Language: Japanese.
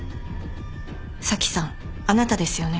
紗季さんあなたですよね。